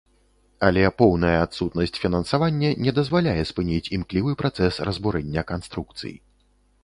Але поўная адсутнасць фінансавання не дазваляе спыніць імклівы працэс разбурэння канструкцый.